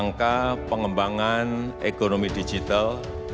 rangka pengembangan ekonomi digital